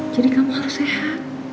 jadi kamu harus sehat